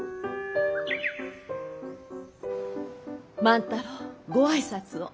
万太郎ご挨拶を。